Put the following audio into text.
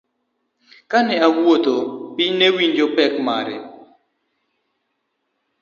Kane owuotho, piny newinjo pek mare.